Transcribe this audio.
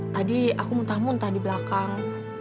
tadi aku muntah muntah di belakang